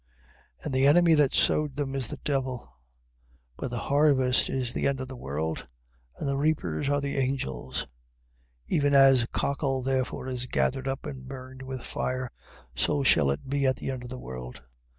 13:39. And the enemy that sowed them, is the devil. But the harvest is the end of the world. And the reapers are the angels. 13:40. Even as cockle therefore is gathered up, and burnt with fire: so shall it be at the end of the world.